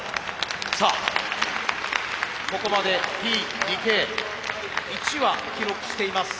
さあここまでＴ・ＤＫ１羽記録しています。